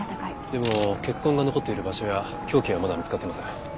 でも血痕が残っている場所や凶器はまだ見つかっていません。